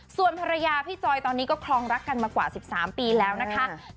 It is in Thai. ส่วนภรรยาพี่จอยตอนนี้ก็ครองรักกันมากว่า๑๓ปีแล้วนะคะ